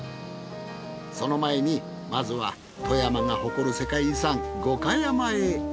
その前にまずは富山が誇る世界遺産五箇山へ。